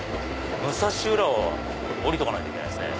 武蔵浦和は降りとかないといけないですね。